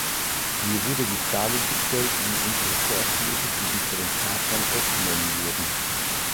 Mir wurde die Frage gestellt, wie unsere Vorschläge von unseren Partnern aufgenommen wurden.